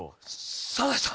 捜した？